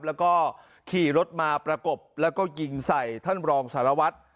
แล้วก็ขี่รถมาประกบแล้วก็ยิงใส่ท่านรองสารวัตร